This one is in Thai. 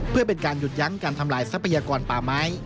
เพื่อเป็นการหยุดยั้งการทำลายทรัพยากรป่าไม้